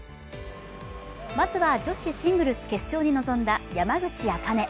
まずは女子シングルス決勝に臨んだ山口茜。